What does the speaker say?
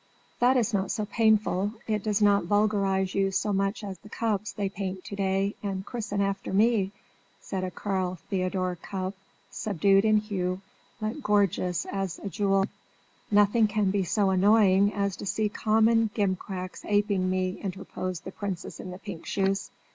"That is not so painful; it does not vulgarise you so much as the cups they paint to day and christen after me," said a Carl Theodor cup subdued in hue, yet gorgeous as a jewel. "Nothing can be so annoying as to see common gimcracks aping me," interposed the princess in the pink shoes.